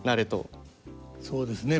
そうですね。